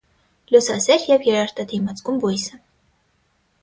Լուսասեր և երաշտադիմացկուն բույս է։